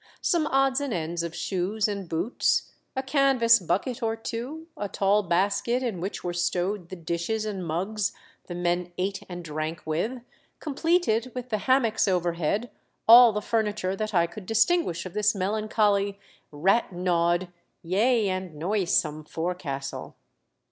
Some odds and ends of shoes and boots, a canvas bucket or two, a tall basket, in which were stowed the dishes and mues the men ate and drank with, completed, with the hammocks overhead, all the furniture that I could distinguish of this melancholy, rat gnawed, yea, and noisome forecastle.